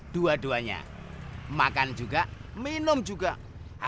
dua duanya makan juga minum juga